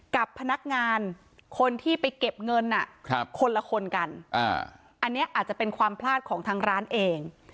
กับพนักงานคนที่ไปเก็บเงินคนละคนกันอันนี้อาจจะเป็นความพลาดของทางร้านเอง